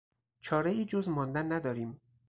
چارهای جز ماندن نداریم.